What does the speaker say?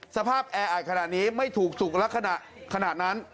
สภาพแอลนี่ไม่ถูกสุกขนาดนั้น